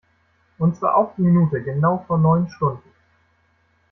Und zwar auf die Minute genau vor neun Stunden.